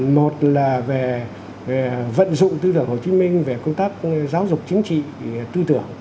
một là về vận dụng tư tưởng hồ chí minh về công tác giáo dục chính trị tư tưởng